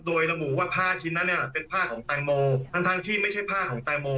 โดยระบุว่าผ้าชิ้นนั้นเนี่ยเป็นผ้าของแตงโมทั้งทั้งที่ไม่ใช่ผ้าของแตงโม